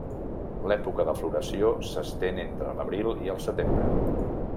L'època de floració s'estén entre l'abril i el setembre.